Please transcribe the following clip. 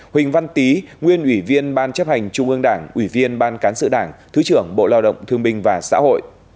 huỳnh văn tý nguyên ủy viên ban chấp hành trung ương đảng ủy viên ban cán sự đảng thứ trưởng bộ lao động thương binh và xã hội